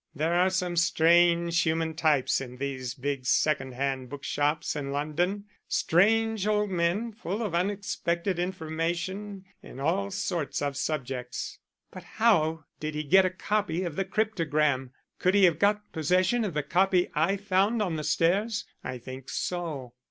There are some strange human types in these big second hand bookshops in London strange old men full of unexpected information in all sorts of subjects." "But how did he get a copy of the cryptogram? Could he have got possession of the copy I found on the stairs?" "I think so."